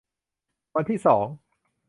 วันที่สอง